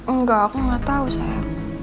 enggak aku enggak tahu sayang